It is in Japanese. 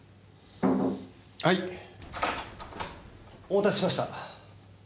お待たせしました。